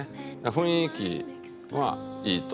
雰囲気はいいと？